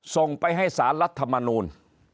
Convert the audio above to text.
ส่งไปให้สารรัฐมนูล